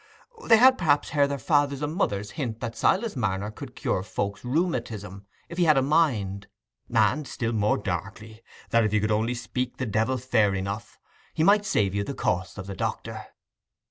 They had, perhaps, heard their fathers and mothers hint that Silas Marner could cure folks' rheumatism if he had a mind, and add, still more darkly, that if you could only speak the devil fair enough, he might save you the cost of the doctor.